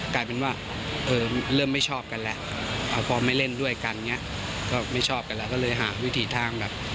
กลายเป็นว่าเออเริ่มไม่ชอบกันแหละ